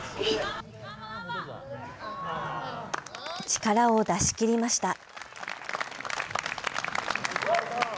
力を出し切りました。